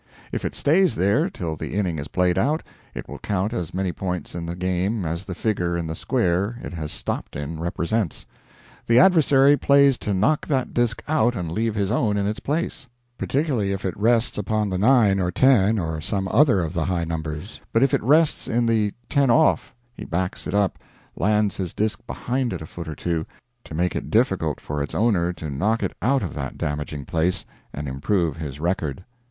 If it stays there till the inning is played out, it will count as many points in the game as the figure in the square it has stopped in represents. The adversary plays to knock that disk out and leave his own in its place particularly if it rests upon the 9 or 10 or some other of the high numbers; but if it rests in the "10off" he backs it up lands his disk behind it a foot or two, to make it difficult for its owner to knock it out of that damaging place and improve his record.